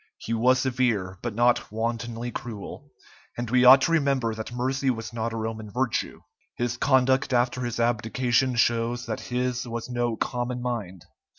He was severe, but not wantonly cruel, and we ought to remember that mercy was not a Roman virtue. His conduct after his abdication shows that his was no common mind.